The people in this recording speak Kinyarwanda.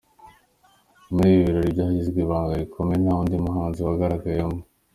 Muri ibi birori byagizwe ibanga rikomeye nta wundi muhanzi wagaragayemo.